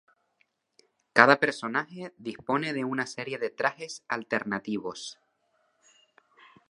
Cada personaje dispone de una serie de trajes alternativos.